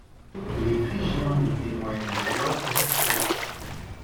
Les Phrygiens lui témoignent joie et respect.